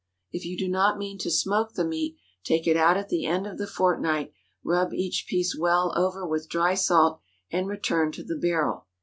If you do not mean to smoke the meat, take it out at the end of the fortnight, rub each piece well over with dry salt, and return to the barrel.